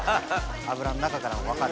油の中からも分かる？